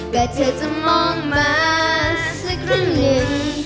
แต่เธอจะมองมาสักครึ่งหนึ่ง